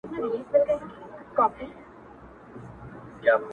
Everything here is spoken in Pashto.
چي وګړي د یوه پلار د وطن یو -